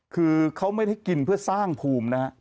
คือเขาไม่ได้กินเพื่อสร้างภูมินะฮะ